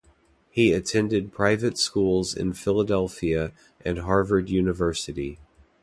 He attended private schools in Philadelphia and Harvard University.